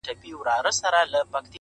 • درته راوړمه به د پرخي نښتېځلي عطر -